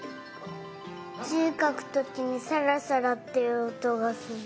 じかくときにサラサラっていうおとがする。